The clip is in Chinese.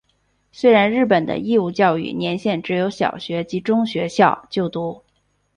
虽然日本的义务教育年限只有小学及中学校就读。